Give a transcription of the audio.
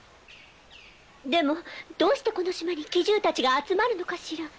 でもどうしてこの島に奇獣たちが集まるのかしら？